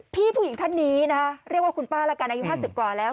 ผู้หญิงท่านนี้นะเรียกว่าคุณป้าละกันอายุ๕๐กว่าแล้ว